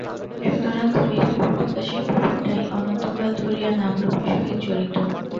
সুতরাং সৃষ্টি বা বিকাশের ব্যাপারটাই অনন্তকাল ধরিয়া নাম-রূপের সহিত জড়িত।